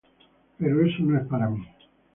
Pero eso no es para mí.